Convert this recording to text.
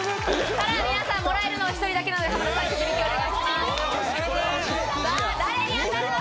ただ皆さんもらえるのは１人だけなので浜田さんくじ引きお願いします頼む！